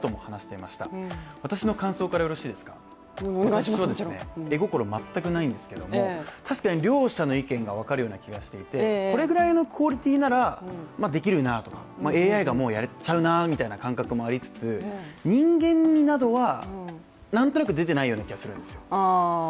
私は、絵心、全くないんですけれども確かに両者の意見が分かるような気がしていてこれくらいのクオリティーなら、もうできるなとか、ＡＩがもうやっちゃうなみたいな感覚もありつつ人間味などは、なんとなく出てないような気がするんですよ。